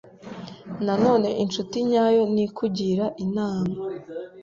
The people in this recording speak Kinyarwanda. Na none incuti nyayo nikugira inama